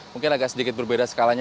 mungkin agak sedikit berbeda skalanya